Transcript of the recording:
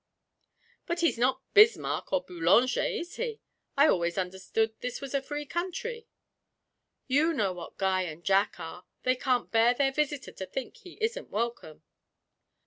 'But he's not Bismarck or Boulanger, is he? I always understood this was a free country.' 'You know what Guy and Jack are they can't bear their visitor to think he isn't welcome.'